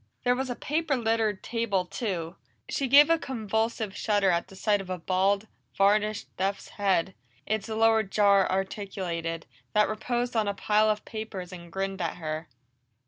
There was a paper littered table too; she gave a convulsive shudder at the sight of a bald, varnished death's head, its lower jar articulated, that reposed on a pile of papers and grinned at her.